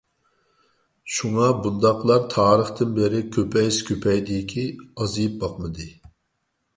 شۇڭا بۇنداقلار تارىختىن بېرى كۆپەيسە كۆپەيدىكى، ئازىيىپ باقمىدى.